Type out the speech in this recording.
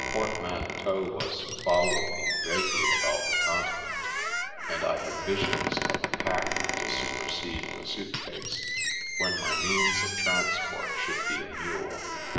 A portmanteau was to follow me vaguely about the Continent, and I had visions of a pack to supersede the suit case, when my means of trans port should be a mule.